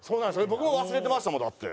僕も忘れてましたもんだって。